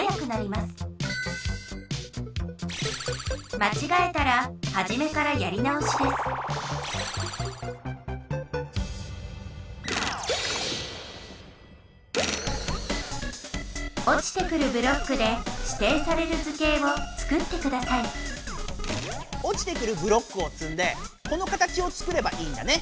まちがえたらはじめからやりなおしですおちてくるブロックでしていされる図形をつくってくださいおちてくるブロックをつんでこの形をつくればいいんだね。